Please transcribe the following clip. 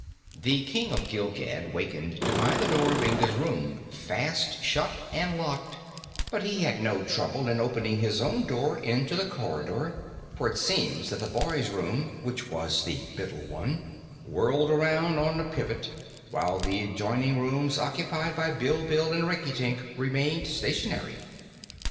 The King of Gilgad wakened to find the door of Inga's room fast shut and locked, but he had no trouble in opening his own door into the corridor, for it seems that the boy's room, which was the middle one, whirled around on a pivot, while the adjoining rooms occupied by Bilbil and Rinkitink remained stationary.